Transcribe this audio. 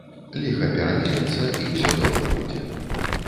Ліха перамелецца, і ўсё добра будзе.